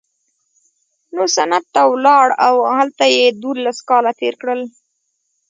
نو سند ته ولاړ او هلته یې دوولس کاله تېر کړل.